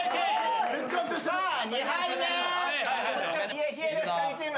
冷え冷えですカギチーム。